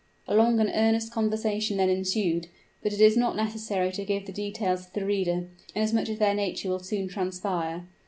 A long and earnest conversation then ensued; but it is not necessary to give the details to the reader, inasmuch as their nature will soon transpire.